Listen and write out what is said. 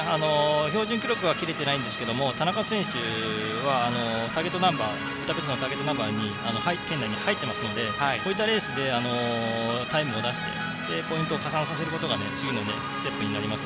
標準記録は切れていないんですけど田中選手はターゲットナンバー圏内に入っていますのでこういったレースでタイムを出してポイントを加算させることが次のステップになります。